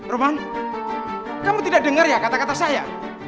roman kamu tidak dengar ya kata kata saya